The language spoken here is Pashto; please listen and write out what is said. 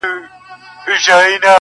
کومول زړه نا زړه سو تېر له سر او تنه.!